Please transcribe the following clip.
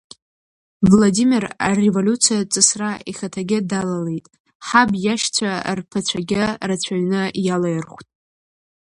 Владимир ареволиуциатә ҵысра ихаҭагьы далалеит, ҳаб иашьцәа рԥацәагьы рацәаҩны иалаирхәт.